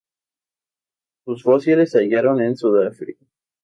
Sus fósiles se hallaron en Sudáfrica.